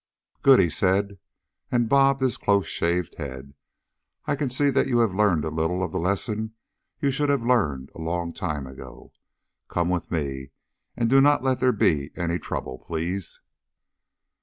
"Good," he said, and bobbed his close shaven head. "I can see that you have learned a little of the lesson you should have learned a long time ago. Come with me, and do not let there be any trouble, please."